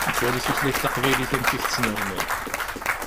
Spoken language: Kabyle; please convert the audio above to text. Nettwali tutlayt taqbaylit amek i tettnernay.